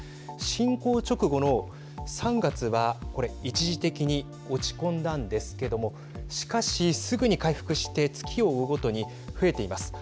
侵攻直後の３月はこれ、一時的に落ち込んだんですけどもしかし、すぐに回復して月を追うごとに増えています。